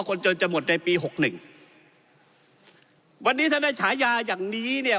คนโจรจะหมดในปีหกหนึ่งวันนี้ท่านท่านชายาอย่างนี้เนี้ย